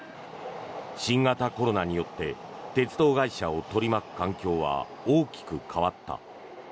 新型コロナによって鉄道会社を取り巻く環境は大きく変わった。